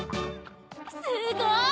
すごい！